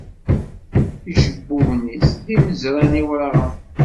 Icebbuben-is, d imezran iwraɣen.